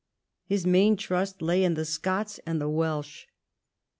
His main trust lay in the Scots and the Welsh.